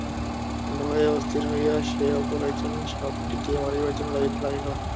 ভয়ে অস্থির হইয়া সে অপর একজনকে সাপটিকে মারিবার জন্য ডাকিতে লাগিল।